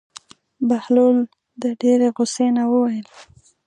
بهلول د ډېرې غوسې نه وویل.